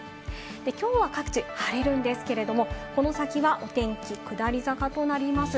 今日は各地で晴れるんですけど、この先はお天気、下り坂となります。